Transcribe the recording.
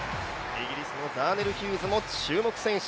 イギリスのザーネル・ヒューズも注目選手。